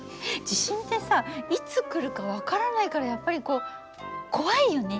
地震ってさいつ来るか分からないからやっぱりこう怖いよね。